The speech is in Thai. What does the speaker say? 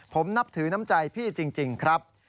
ผมนับถือน้ำใจพี่จริงครับ